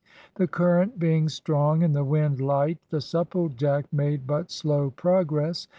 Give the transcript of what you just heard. The current being strong, and the wind light, the Supplejack made but slow progress.